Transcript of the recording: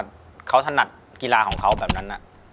ที่ผ่านมาที่มันถูกบอกว่าเป็นกีฬาพื้นบ้านเนี่ย